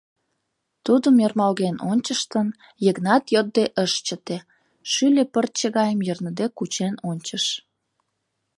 — Тудым ӧрмалген ончыштын, Йыгнат йодде ыш чыте, шӱльӧ пырче гайым йырныде кучен ончыш.